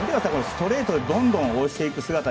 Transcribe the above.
ストレートでどんどん押していく姿。